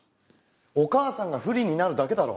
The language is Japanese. お義母さんが不利になるだけだろ。